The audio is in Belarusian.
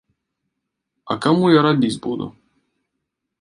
А каму я рабіць буду?!